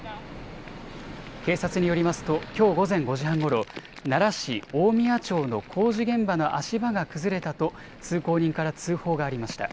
警察によりますと、きょう午前５時半ごろ、奈良市大宮町の工事現場の足場が崩れたと、通行人から通報がありました。